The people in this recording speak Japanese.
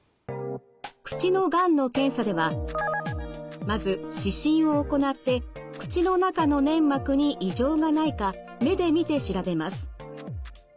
口のがんの検査ではまず視診を行って口の中の粘膜に異常がないか目で見て調べます。